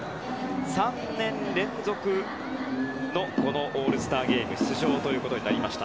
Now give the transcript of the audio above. ３年連続のオールスターゲーム出場となりました。